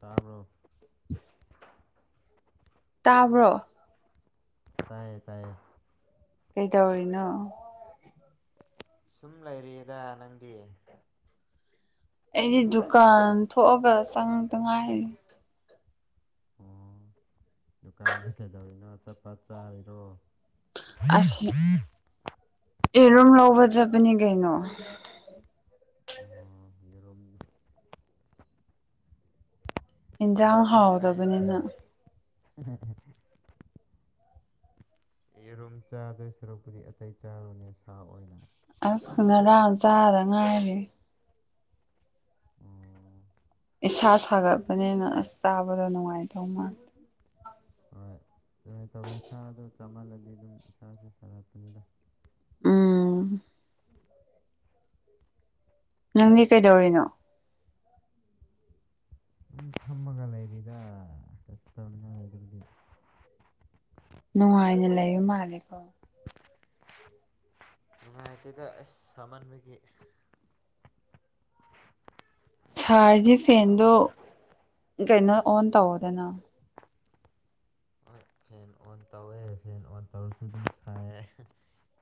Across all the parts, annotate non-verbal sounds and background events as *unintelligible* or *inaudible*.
ꯇꯥꯕꯔꯣ *unintelligible* ꯇꯥꯕ꯭ꯔꯣ ꯇꯥꯏꯌꯦ ꯇꯥꯏꯌꯦ ꯀꯩꯇꯧꯔꯤꯅꯣ ꯁꯨꯝ ꯂꯩꯔꯤꯗ ꯅꯪꯗꯤ ꯑꯩꯗꯤ ꯗꯨꯀꯥꯟ ꯊꯣꯛꯑꯒ ꯆꯪꯗ ꯉꯥꯏꯔꯤꯗ ꯑꯣ ꯗꯨꯀꯥꯟꯗ ꯀꯩꯗꯧꯔꯤꯅꯣ ꯑꯆꯄꯣꯠ ꯆꯥꯔꯤꯔꯣ ꯑꯁ ꯑꯦꯔꯨꯝ ꯂꯧꯕ ꯆꯠꯄꯅꯤ ꯀꯩꯅꯣ ꯑꯣ ꯌꯦꯔꯨꯝ ꯏꯟꯖꯥꯡ ꯏꯅꯤꯐ ꯍꯥꯎꯗꯕꯅꯤꯅ *unintelligible* ꯌꯦꯔꯨꯝ ꯆꯥꯗꯣꯏ ꯁꯔꯨꯛꯄꯨꯗꯤ ꯑꯇꯩ ꯆꯥꯕꯅ ꯁꯥ ꯑꯣꯏꯅ ꯑꯁ ꯉꯔꯥꯡ ꯆꯥꯗ ꯉꯥꯏꯔꯤ ꯑꯣ ꯏꯁꯥ ꯁꯥꯒꯠꯄꯅꯤꯅ ꯑꯁ ꯆꯥꯕꯗ ꯅꯨꯡꯉꯥꯏꯗꯧ ꯃꯥ ꯍꯣꯏ ꯑꯗꯨꯃꯥꯏꯅ ꯇꯧꯅꯦ ꯁꯥꯗꯣ ꯆꯥꯝꯍꯜꯂꯗꯤ ꯑꯗꯨꯝ ꯏꯁꯥꯁꯦ ꯁꯥꯒꯠꯄꯅꯤꯗ ꯎꯝ ꯅꯪꯗꯤ ꯀꯩꯗꯧꯔꯤꯅꯣ ꯎꯝ ꯐꯝꯃꯒ ꯂꯩ ꯗ *unintelligible* *unintelligible* ꯅꯨꯡꯉꯥꯏꯅ ꯂꯩꯕ ꯃꯥꯜꯂꯦꯀꯣ ꯅꯨꯡꯉꯥꯢꯇꯦꯗ ꯑꯁ ꯁꯃꯟꯕꯒꯤ ꯁꯥꯔꯁꯤ ꯐꯦꯟꯗꯣ ꯀꯩꯅꯣ ꯑꯣꯟ ꯇꯧꯗꯅ ꯍꯣꯏ ꯐꯦꯟ ꯑꯣꯟ ꯇꯧꯋꯦ ꯐꯦꯟ ꯑꯣꯟ ꯇꯧꯔꯁꯨ ꯑꯗꯨꯝ ꯁꯥꯏꯌꯦ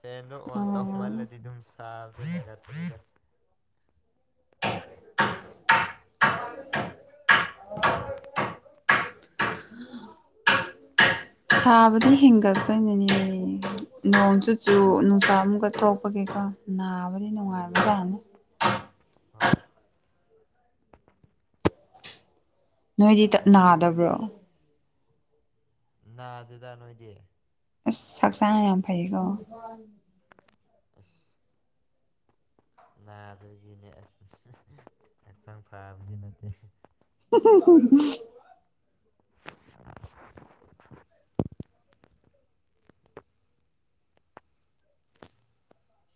ꯐꯦꯟꯗꯣ ꯑꯣꯟ ꯇꯧ ꯎꯝ ꯍꯦꯟꯃꯜꯂꯗꯤ ꯑꯗꯨꯝ ꯁꯥꯕꯗꯨ ꯍꯦꯟꯒꯠꯄꯅꯤꯗ ꯖ *inaudible* ꯁꯥꯕꯗꯤ ꯍꯦꯟꯒꯠꯒꯅꯤꯌꯦ ꯅꯣꯡ ꯆꯨ ꯆꯨ ꯍꯣꯏ ꯅꯨꯡꯁꯥ ꯑꯃꯨꯛꯀ ꯊꯣꯛꯄꯒꯤꯀꯣ ꯅꯥꯕꯗꯤ ꯎꯝ ꯅꯨꯡꯉꯥꯏꯕꯖꯠꯅꯤ ꯍꯣꯏ ꯅꯣꯏꯗꯤ ꯇꯞ ꯌꯦꯔꯨꯝ ꯅꯥꯗꯕ꯭ꯔꯣ ꯅꯥꯗꯦꯗ ꯅꯣꯢꯗꯤ ꯑꯁ ꯍꯛꯆꯥꯥꯡ ꯌꯥꯝ ꯐꯩꯌꯦꯀꯣ ꯑꯁ ꯅꯥꯕꯗꯒꯤꯅꯦ ꯑꯁ ꯍꯛꯆꯥꯡ ꯐꯥꯕꯗꯤ ꯅꯠꯇꯦ ꯆ *unintelligible*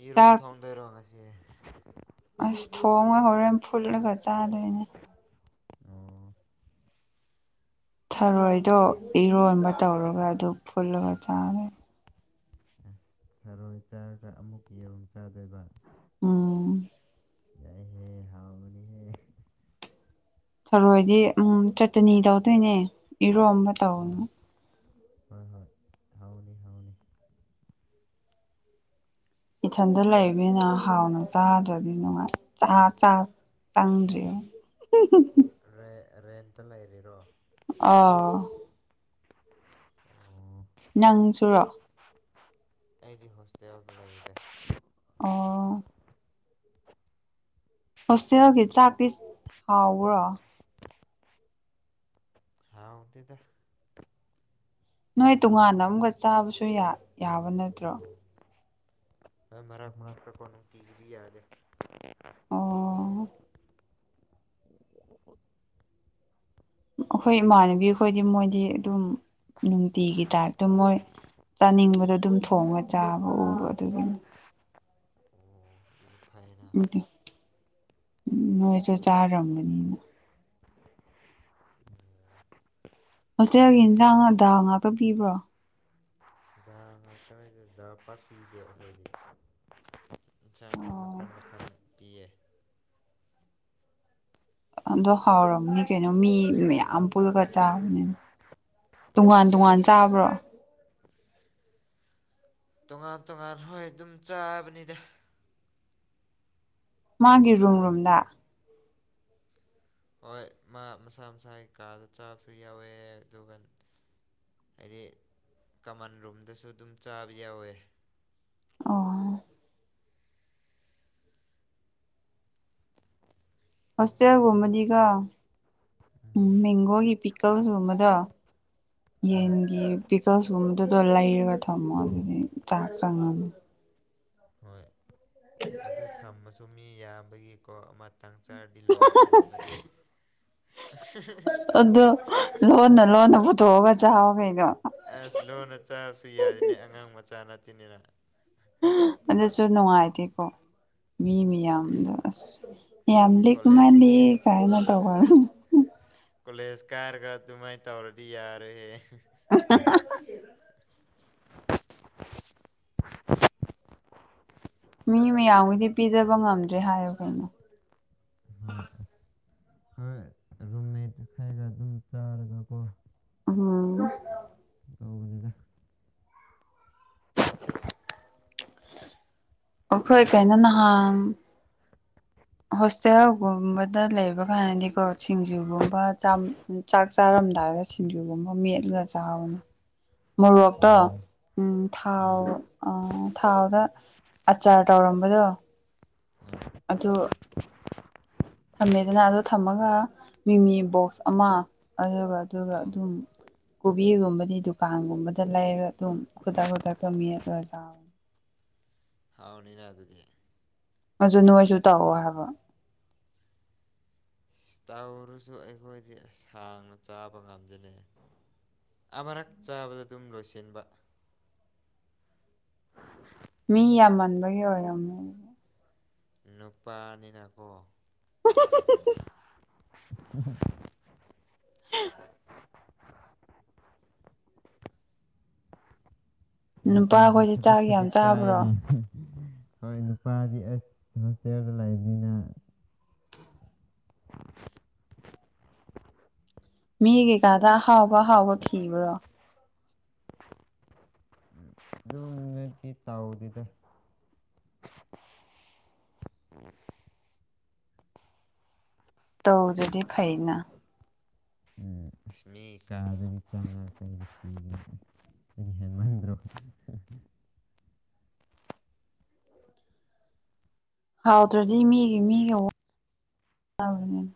ꯌꯦꯔꯨꯝ ꯆꯥꯛ ꯊꯣꯡꯗꯨꯢꯔꯣ ꯉꯁꯤ ꯑꯁ ꯊꯣꯡꯉꯣꯢ ꯍꯣꯔꯦꯟ ꯐꯨꯠꯂꯒ ꯆꯥꯗꯣꯏꯅꯦ ꯑꯣ ꯑꯁ ꯊꯔꯣꯏꯗꯣ ꯏꯔꯣꯟꯕ ꯇꯧꯔꯒ ꯑꯗꯨꯝ ꯐꯨꯜꯂꯒ ꯆꯥꯗꯨꯢꯅꯦ ꯃꯔꯣꯏ ꯆꯥꯔꯒ ꯑꯃꯨꯛ ꯌꯦꯔꯣꯝ ꯆꯥꯗꯣꯏꯕ ꯑꯝ ꯌꯥꯏ ꯍꯦ ꯍꯥꯎꯒꯅꯤ ꯍꯦ ꯊꯔꯣꯏꯗꯤ ꯎꯝ ꯆꯇꯅꯤ ꯇꯧꯗꯣꯏꯅꯦ ꯏꯔꯣꯝꯕ ꯑꯣ ꯇꯧꯅꯤ ꯍꯣꯏ ꯍꯣꯏ ꯍꯥꯎꯅꯤ ꯍꯥꯎꯅꯤ ꯏꯊꯟꯗ ꯂꯩꯕꯅꯤꯅ ꯍꯥꯎꯅ ꯆꯥꯗ꯭ꯔꯗꯤ ꯅꯨꯡꯉꯥꯏ *unintelligible* *unintelligible* ꯆꯪꯗ꯭ꯔꯤ ꯔꯦꯟꯇ ꯂꯩꯔꯤꯔꯣ ꯑꯥꯎ ꯅꯪ ꯁꯨꯔꯣ ꯑꯩ ꯍꯣꯁꯇꯦꯜꯗ ꯂꯩꯍꯦ ꯑꯣ ꯍꯣꯁꯇꯦꯜꯒꯤ ꯆꯥꯛꯇꯤ ꯍꯥꯎꯕ꯭ꯔꯣ ꯍꯥꯎꯇꯦꯗ ꯅꯣꯏ ꯇꯣꯉꯥꯟꯅ ꯑꯝꯒ ꯆꯥꯕꯁꯨ ꯌꯥ ꯌꯥꯕ ꯅꯠꯇ꯭ꯔꯣ ꯍꯥ ꯃꯔꯛ ꯃꯔꯛꯇ ꯀꯣ ꯄ ꯅꯨꯡꯇꯤꯒꯤꯗꯤ ꯌꯥꯗꯦ ꯑꯣ ꯑꯩꯈꯣꯏ ꯏꯃꯥꯟꯅꯕꯤꯈꯣꯏꯗꯤ ꯃꯣꯏꯗꯤ ꯑꯗꯨꯝ ꯅꯨꯡꯇꯤꯒꯤ ꯇꯥꯏꯞꯇ ꯃꯣꯏ ꯆꯥꯅꯤꯡꯕꯗꯣ ꯑꯗꯨꯝ ꯊꯣꯡꯉ ꯆꯥꯕ ꯎꯕ ꯑꯗꯨꯒꯤꯅꯤ ꯑꯣ ꯑꯗꯨ ꯐꯩꯅ *unintelligible* ꯅꯣꯏꯁꯨ ꯆꯥꯔꯝꯒꯅꯤꯅ ꯍꯣꯁꯇꯦꯜꯒꯤ ꯍꯤꯟꯖꯥꯡ ꯑ ꯗꯥꯜ ꯉꯥꯛꯇ ꯄꯤꯕ꯭ꯔꯣ ꯗꯥꯜ ꯉꯥꯛꯇ ꯑꯣꯏꯗꯦꯗ ꯗꯥꯜ ꯄꯥꯛ ꯄꯤꯗꯦ ꯃꯣꯏꯒꯤ ꯏꯟꯁꯥꯡ ꯑꯣ ꯃꯈꯟ ꯃꯈꯟ ꯄꯤꯌꯦ ꯑꯗꯣ ꯍꯥꯎꯔꯝꯅꯤ ꯀꯩꯅꯣ ꯃꯤ ꯃꯌꯥꯝ ꯄꯨꯜꯂꯒ ꯆꯥꯕꯅꯤꯅ ꯇꯣꯉꯥꯟ ꯇꯣꯉꯥꯟ ꯏꯁ ꯆꯥꯕ꯭ꯔꯣ ꯇꯣꯉꯥꯟ ꯇꯣꯉꯥꯟ ꯍꯣꯏ ꯑꯗꯨꯝ ꯆꯥꯕꯅꯤꯗ ꯃꯥꯒꯤ ꯔꯨꯝ ꯔꯨꯝꯗ ꯍꯣꯏ ꯃꯥ ꯃꯁꯥ ꯃꯁꯥꯒꯤ ꯀꯥꯗ ꯆꯥꯕꯁꯨ ꯌꯥꯎꯋꯦ ꯑꯗꯨꯒ ꯍꯥꯏꯗꯤ ꯀꯃꯟ ꯔꯨꯝꯗꯁꯨ ꯑꯗꯨꯝ ꯆꯥꯕ ꯌꯥꯎꯋꯦ ꯑꯣ ꯍꯣꯁꯇꯦꯜꯒꯨꯝꯕꯗꯤꯒꯣ ꯎꯝ ꯃꯦꯡꯒꯣꯒꯤ ꯄꯤꯀꯜꯁꯒꯨꯝꯕꯗꯣ ꯍꯣꯏ ꯌꯦꯟꯒꯤ ꯄꯤꯀꯜꯁꯀꯨꯝꯕꯗꯨꯗꯣ ꯂꯩꯔꯒ ꯊꯝꯃꯣ ꯑꯗꯨꯗꯤ ꯆꯥꯛ ꯆꯪꯉꯝ ꯍꯣꯏ ꯑꯗꯨ ꯊꯝꯃꯁꯨ ꯃꯤ ꯌꯥꯝꯕꯒꯤꯀꯣ ꯑꯃꯠ ꯇꯪ ꯆꯥꯔꯗꯤ ꯂꯣꯏꯁꯤꯟꯕꯅꯦ ꯑꯗꯣ ꯂꯣꯟꯅ ꯂꯣꯟꯅ ꯄꯨꯊꯣꯛꯑꯒ ꯆꯥꯑꯣ ꯀꯩꯅꯣ ꯑꯁ ꯂꯣꯟꯅ ꯆꯥꯕꯁꯨ ꯌꯥꯗꯤꯅꯦ ꯑꯉꯥꯡ ꯃꯆꯥ ꯅꯠꯇꯤꯅꯤꯅ ꯑꯗꯨꯁꯨ ꯅꯨꯡꯉꯥꯏꯇꯦꯀꯣ ꯃꯤ ꯍꯣꯏ ꯃꯌꯥꯝꯗꯣ ꯑꯁ ꯌꯥꯝ ꯂꯤꯛꯄ ꯀꯣꯂꯦꯖ ꯃꯥꯜꯂꯤꯍꯦ ꯀꯥꯏꯅ ꯇꯧꯕꯝ ꯀꯣꯂꯦꯖ ꯀꯥꯏꯔꯒ ꯑꯗꯨꯃꯥꯏꯅ ꯇꯧꯔꯗꯤ ꯌꯥꯔꯣꯏꯍꯦ *unintelligible* ꯃꯤ ꯃꯌꯥꯝꯒꯤꯗꯤ ꯄꯤꯖꯕ ꯉꯝꯗ꯭ꯔꯦ ꯍꯥꯏꯌꯣ ꯀꯩꯅꯣ ꯍꯣꯏ ꯑꯁ ꯍꯣꯏ ꯔꯨꯝꯃꯦꯠ ꯈꯔꯒ ꯑꯗꯨꯝ ꯆꯥꯔꯒꯀꯣ ꯎꯝ ꯇꯧꯕꯅꯤꯗ ꯑꯈꯣꯏ ꯀꯩꯅꯣ ꯅꯍꯥꯟ ꯍꯣꯁꯇꯦꯜꯒꯨꯝꯕꯗ ꯂꯩꯕ ꯀꯥꯟꯅꯗꯤꯀꯣ ꯁꯤꯡꯖꯨꯒꯨꯝꯕ ꯆꯥꯝ ꯆꯥꯛ ꯆꯥꯔꯝꯗꯥꯏꯗ ꯁꯤꯡꯖꯨꯒꯨꯝꯕ ꯃꯦꯠꯂꯒ ꯆꯥꯕꯅꯤ ꯃꯣꯔꯣꯛꯇꯣ ꯑꯣ ꯎꯝ ꯊꯥꯎ ꯎꯝ ꯑ ꯊꯥꯎꯗ ꯑꯆꯥꯔ ꯇꯧꯔꯝꯕꯗꯣ ꯑꯗꯨ ꯊꯝꯃꯦꯗꯅ ꯑꯗꯣ ꯊꯝꯃꯒ ꯃꯤꯃꯤ ꯕꯣꯛꯁ ꯑꯃ ꯑꯗꯨꯒ ꯑꯗꯨꯒ ꯑꯣ ꯑꯗꯨꯝ ꯀꯣꯕꯤꯒꯨꯝꯕꯗꯤ ꯗꯨꯀꯥꯟꯒꯨꯝꯕꯗ ꯂꯩꯔ ꯑꯗꯨꯝ ꯈꯨꯗꯛ ꯈꯨꯗꯛꯇ ꯃꯦꯠꯂꯒ ꯆꯥꯕ ꯍꯥꯎꯅꯤꯅ ꯑꯗꯨꯗꯤ ꯑꯗꯨ ꯅꯣꯏꯁꯨ ꯇꯧꯑꯣ ꯍꯥꯏꯕ ꯏꯁ ꯇꯧꯔꯁꯨ ꯑꯩꯈꯣꯏꯗꯤ ꯁꯥꯡꯅ ꯆꯥꯕ ꯉꯝꯗ‍ꯦꯅꯦ ꯑꯃꯔꯛ ꯆꯥꯕꯗ ꯑꯗꯨꯝ ꯂꯣꯏꯁꯤꯟꯕ ꯃꯤ ꯌꯥꯝꯃꯟꯕꯒꯤ ꯑꯣꯏꯔꯝꯅꯤ ꯅꯨꯄꯥꯅꯤꯅꯀꯣ *unintelligible* *unintelligible* *unintelligible* ꯅꯨꯡꯇꯤꯒꯤ ꯅꯨꯄꯥꯈꯣꯏꯗꯤ ꯈꯖꯤꯛ ꯆꯥꯛ ꯌꯥꯝ ꯈꯖꯤꯛ ꯆꯥꯕ꯭ꯔꯣ ꯆꯥꯏꯅ ꯍꯣꯏ ꯅꯨꯄꯥꯗꯤ ꯑꯁ ꯍꯣꯁꯇꯦꯜꯗ ꯂꯩꯕꯅꯤꯅ ꯃꯤꯒꯤ ꯀꯥꯗ ꯑꯍꯥꯎꯕ ꯑꯍꯥꯎꯕ ꯊꯤꯕ꯭ꯔꯣ ꯎꯝ *unintelligible* ꯑꯗꯨꯝ ꯅꯗꯤ ꯇꯥꯎꯗ‌ꯦꯗ ꯇꯧꯗꯨꯗꯤ ꯐꯩꯅ ꯏꯁ ꯃꯤ ꯀꯥꯗ *unintelligible* ꯍꯦꯟꯃꯟꯗ꯭ꯔꯣ ꯍꯥꯎꯗ꯭ꯔꯗꯤ ꯃꯤꯒꯤ ꯃꯤꯒꯕꯅꯤꯅ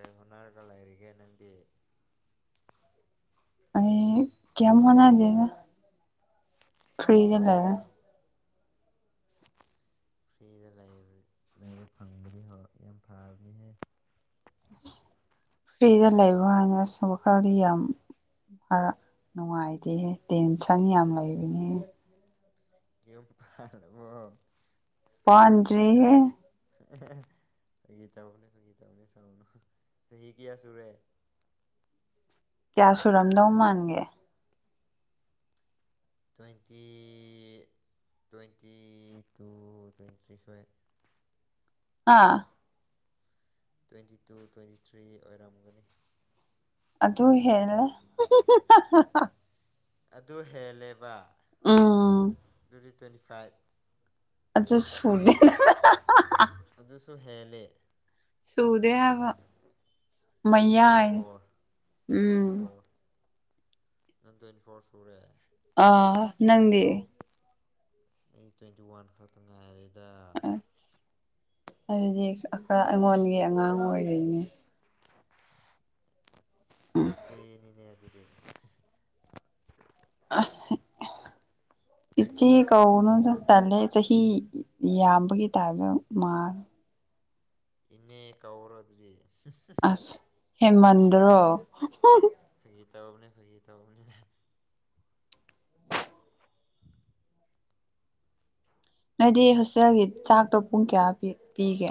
ꯀꯩ ꯍꯣꯠꯅꯔꯒ ꯂꯩꯔꯤꯒꯦ ꯅꯪꯗꯤ ꯑꯩ ꯀꯦꯝ ꯍ‌ꯣꯠꯅꯥꯗꯦꯗ ꯐ꯭ꯔꯤꯗ ꯂꯩꯔ‌ꯦ ꯐ꯭ꯔꯤꯗ ꯂꯩꯕ ꯐꯪꯕꯅꯤ ꯍꯣ ꯌꯥꯝ ꯐꯕꯅꯤꯍꯦ ꯐ꯭ꯔꯤꯗ ꯂꯩꯌ ꯍꯥꯏꯅꯁꯨꯨꯝ ꯃꯈꯜꯗꯤ ꯌꯥꯝ ꯔ ꯅꯨꯡꯉꯥꯏꯇꯦꯍꯦ ꯇꯦꯟꯁꯟ ꯌꯥꯝ ꯂꯩꯕꯅꯦꯍ‌ꯦ ꯌꯨꯝ ꯄꯥꯜꯂꯕꯣ ꯄꯥꯟꯗ꯭ꯔꯤꯌ‌ꯦ ꯐꯪꯒꯤ ꯇꯧꯅꯦ ꯐꯪꯒꯤ ꯇꯧꯅꯦ ꯁꯥꯎꯅꯨ ꯆꯍꯤ ꯀꯌꯥ ꯁꯨꯔꯦ ꯀꯌꯥ ꯁꯨꯔꯝꯗꯧ ꯃꯥꯟꯒꯦ twenty twenty two twenty three ꯁ꯭ꯋꯥꯏ ꯍꯥ ꯇ꯭ꯋꯦꯟꯇꯤ ꯇꯨ ꯇ꯭ꯋꯦꯟꯇꯤ ꯊ꯭ꯔꯤ ꯑꯣꯏꯔꯝꯒꯅꯤ ꯑꯗꯨ ꯍꯦꯂꯦ *unintelligible* ꯑꯗꯨ ꯍꯦꯜꯂꯦꯕ ꯎꯝ ꯑꯗꯨꯗꯤ ꯇ꯭ꯋ‌ꯦꯟꯇꯤ ꯐꯥꯏꯚ ꯑꯗꯨꯁꯨ ꯁꯨꯗꯦ *unintelligible* ꯑꯗꯨꯁꯨ ꯍꯦꯂꯦ ꯁꯨꯗꯦ ꯍꯥꯏꯕ ꯇ꯭ꯋꯦꯟꯇꯤ ꯃꯌꯥꯏ ꯐꯣꯔ ꯇ꯭ꯋꯦꯟꯇꯤ ꯎꯝ ꯐꯣꯔ ꯅꯪ ꯇ꯭ꯋꯦꯟꯇꯤ ꯐꯣꯔ ꯁꯨꯔꯦ ꯑꯥ ꯅꯪꯗꯤ ꯑꯩ ꯇ꯭ꯋꯦꯟꯇꯤ ꯋꯥꯟ ꯈꯛꯇ ꯉꯥꯏꯔꯤꯗ ꯑꯗꯨꯗꯤ ꯈꯔ ꯑꯩꯉꯣꯟꯒꯤ ꯑꯉꯥꯡ ꯑꯣꯏꯔꯤꯅꯦ ꯎꯝ ꯏꯆꯦꯅꯤꯅꯦ ꯑꯗꯨꯗꯤ ꯑꯁ ꯏꯆꯦ ꯀꯧꯒꯅꯨꯗ ꯇꯜꯂ‌ꯦ ꯆꯍꯤ ꯌꯥꯝꯕꯒꯤ ꯇꯥꯏꯞꯇ ꯃꯥꯂ ꯏꯅꯦ ꯀꯧꯔ ꯑꯗꯨꯗꯤ ꯑꯁ ꯍꯦꯟꯃꯟꯗ꯭ꯔ‌ꯣ ꯐꯒꯤ ꯇꯧꯕꯅ‌ꯦ ꯐꯒꯤ ꯇꯧꯕꯅ‌ꯦ ꯅꯣꯏꯗꯤ ꯍꯣꯁꯇꯦꯜꯒꯤ ꯆꯥꯛꯇꯣ ꯄꯨꯡ ꯀꯌꯥ ꯄꯤꯒꯦ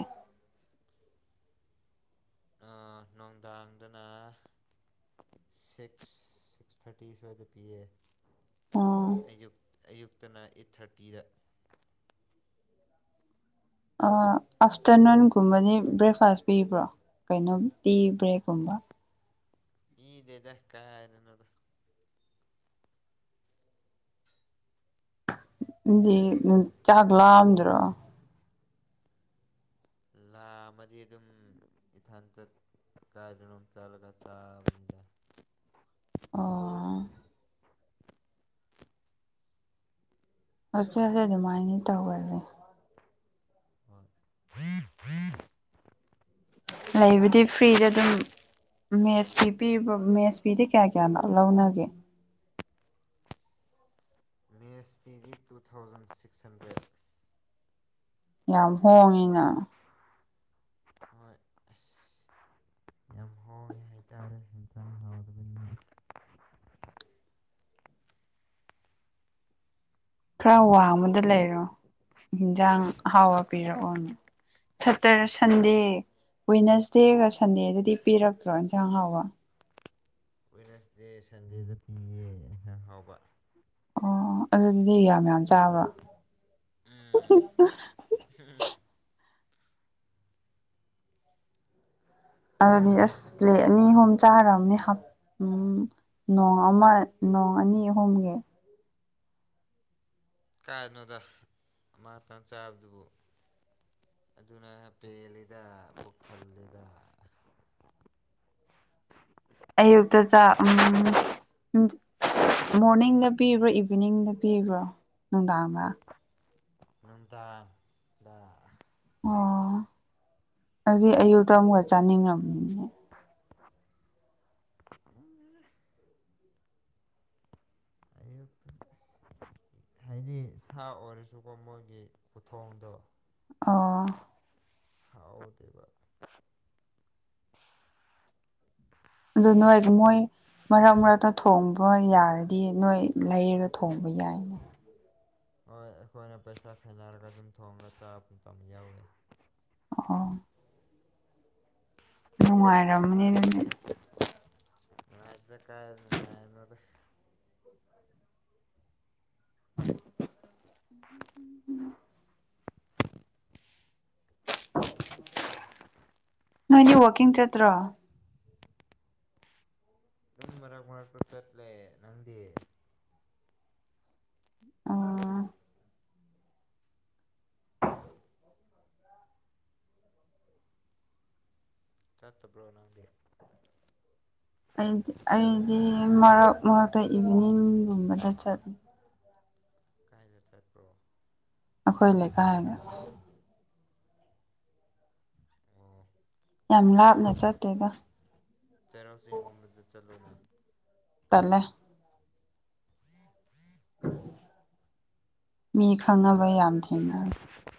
ꯑꯥ ꯅꯨꯡꯗꯥꯡꯗꯅ ꯁꯤꯛꯁ ꯁꯤꯛꯁ ꯊꯥꯔꯇꯤ ꯁ꯭ꯋꯥꯏꯗ ꯄꯤꯌꯦ ꯑꯣ ꯑꯌꯨꯛ ꯑꯌꯨꯛꯇꯅ ꯑꯩꯠ ꯊꯥꯔꯇꯤꯗ ꯑꯥꯐꯇꯔꯅꯨꯟꯒꯨꯝꯕꯗꯤ ꯕ꯭ꯔꯦꯛꯐꯥꯁ ꯄꯤꯕ꯭ꯔꯣ ꯀꯩꯅꯣ ꯇꯤ ꯕ꯭ꯔꯦꯛꯀꯨꯝꯕ ꯄꯤꯗꯦꯗ ꯀꯔꯥꯏꯗꯩꯅꯣꯗ ꯗꯤ ꯆꯥꯛ ꯂꯥꯝꯗ꯭ꯔꯣ ꯂꯥꯝꯃꯗꯤ ꯑꯗꯨꯝ ꯏꯊꯟꯇ ꯀꯥꯏꯗꯅꯣꯃ ꯆꯠꯂꯒ ꯆꯥꯔꯅꯤ ꯑꯣ ꯍꯣꯁꯇꯦꯜꯁꯦ ꯑꯗꯨꯃꯥꯏꯅꯗꯤ ꯇꯧꯕꯅꯤ ꯍꯣꯏ ꯂꯩꯕꯗꯤ ꯐ꯭ꯔꯤꯗ ꯑꯗꯨꯝ ꯃꯦꯁ ꯐꯤ ꯄꯤꯕ ꯃꯦꯁ ꯐꯤꯗꯤ ꯀꯌꯥ ꯀꯌꯥꯅꯣ ꯂꯧꯅꯒꯦ ꯃꯦꯁ ꯐꯤꯗꯤ ꯇꯨ ꯊꯥꯎꯖꯟ ꯁꯤꯛꯁ ꯍꯟꯗ꯭ꯔꯦꯠ ꯌꯥꯝ ꯍꯣꯡꯉꯤꯅ ꯍꯣꯏ ꯑꯁ ꯌꯥꯝ ꯍꯥꯎꯉꯦ ꯍꯥꯏꯇꯥꯔꯦ ꯌꯦꯟꯁꯥꯡ ꯍꯥꯎꯇꯕꯅꯤꯅ ꯈꯔ ꯋꯥꯡꯃ꯫ꯕꯗ ꯂꯩꯔꯣ ꯌꯦꯟꯖꯥꯡ ꯑꯍꯥꯎꯕ ꯄꯤꯔꯛꯑꯣꯅ ꯁꯇꯔ ꯁꯟꯗꯦ ꯋꯦꯗꯅꯁꯗꯦꯒ ꯁꯟꯗꯦꯗꯗꯤ ꯄꯤꯔꯛꯇ꯭ꯔꯣ ꯏꯟꯖꯥꯡ ꯑꯍꯥꯎꯕ ꯋꯦꯗꯅꯦꯁꯗꯦ ꯁꯟꯗꯦꯗ ꯄꯤꯌꯦ ꯏꯟꯁꯥꯡ ꯑꯍꯥꯎꯕ ꯑꯣ ꯑꯗꯨꯗꯗꯤ ꯌꯥꯝ ꯌꯥꯝ ꯆꯥꯕ꯭ꯔꯥ ꯎꯝ *inaudible* ꯑꯗꯨꯗꯤ ꯑꯁ ꯄ꯭ꯂꯦꯠ ꯑꯅꯤ ꯑꯍꯨꯝ ꯆꯥꯔꯝꯅꯤ ꯍꯥ ꯎꯝ ꯅꯣꯡ ꯑꯃ ꯅꯣꯡ ꯑꯅꯤ ꯑꯍꯨꯝꯒꯤ ꯀꯥꯏꯗꯩꯅꯣꯗ ꯑꯃꯥꯇꯪ ꯆꯥꯕꯗꯨꯕꯨ ꯑꯗꯨꯅ ꯄꯦꯜꯂꯤꯗ ꯄꯨꯛ ꯊꯜꯂꯤꯗ ꯑꯌꯨꯛꯇ ꯆꯥꯛ ꯎꯝ ꯃꯣꯔꯅꯤꯡꯗ ꯄꯤꯕ꯭ꯔꯣ ꯏꯚꯤꯅꯤꯡꯗ ꯄꯤꯕ꯭ꯔꯣ ꯅꯨꯡꯗꯥꯡꯗ ꯅꯨꯡꯗꯥꯡꯗ ꯑꯣ ꯑꯗꯨꯗꯤ ꯑꯌꯨꯛꯇ ꯑꯃꯨꯛꯀ ꯆꯥꯅꯤꯡꯉꯝ *unintelligible* ꯑꯌꯨꯛ ꯍꯥꯏꯗꯤ ꯁꯥ ꯑꯣꯏꯔꯁꯨꯀꯣ ꯃꯣꯏꯒꯤ ꯈꯨꯊꯣꯡꯗꯣ ꯑꯣ ꯍꯥꯎꯗꯦꯕ ꯑꯗꯨ ꯅꯣꯏꯒ ꯃꯣꯏ ꯃꯔꯛ ꯃꯔꯛꯇ ꯊꯣꯡꯕ ꯌꯥꯔꯗꯤ ꯅꯣꯏ ꯂꯩꯔꯒ ꯊꯣꯡꯕ ꯌꯥꯏ ꯑ ꯑꯩꯈꯣꯏꯅ ꯄꯩꯁꯥ ꯈꯥꯏꯅꯔꯒ ꯑꯗꯨꯝ ꯊꯣꯡꯉꯒ ꯆꯥꯕ ꯃꯇꯝ ꯌꯥꯎꯋꯤ ꯑꯣ ꯅꯨꯡꯉꯥꯏꯔꯝꯃꯅꯤ ꯑꯗꯨꯗꯤ ꯅꯨꯉꯥꯏꯇꯦꯗ ꯀꯥꯏꯗꯩ ꯅꯨꯡꯉꯥꯏꯕꯅꯣꯗ *unintelligible* ꯅꯣꯏꯗꯤ ꯋꯥꯛꯀꯤꯡ ꯆꯠꯇ꯭ꯔꯣ ꯑꯗꯨꯝ ꯃꯔꯛ ꯃꯔꯛꯇ ꯆꯠꯂꯦ ꯅꯪꯗꯤ ꯑꯣ ꯆꯠꯇꯕ꯭ꯔꯣ ꯅꯪꯗꯤ ꯑꯩꯗꯤ ꯑꯩꯗꯤ ꯃꯔꯛ ꯃꯔꯛꯇ ꯏꯚꯤꯅꯤꯡꯒꯨꯝꯕꯗ ꯆꯠꯂꯦ ꯀꯥꯏꯗ ꯆꯠꯄ꯭ꯔꯣ ꯑꯩꯈꯣꯏ ꯂꯩꯀꯥꯏꯗ ꯑꯣ ꯌꯥꯝ ꯍꯥꯏꯗꯤ ꯂꯥꯞꯅ ꯆꯔꯣ ꯆꯤꯛ ꯆꯠꯇꯦꯗ ꯆꯩꯔꯥꯎ ꯆꯤꯡꯒꯨꯝꯕꯗ ꯆꯠꯂꯣꯅ ꯇꯜꯂꯦ ꯃꯤ ꯈꯪꯅꯕ ꯌꯥꯝ ꯊꯦꯡꯅ *inaudible*